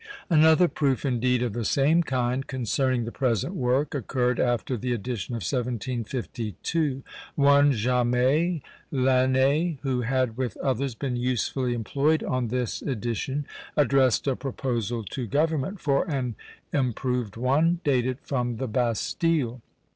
Another proof, indeed, of the same kind, concerning the present work, occurred after the edition of 1752. One Jamet l'aîné, who had with others been usefully employed on this edition, addressed a proposal to government for an improved one, dated from the Bastile.